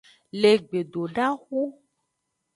Le gbedodaxu.